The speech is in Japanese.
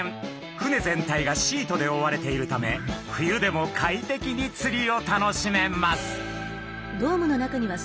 船全体がシートでおおわれているため冬でも快適に釣りを楽しめます。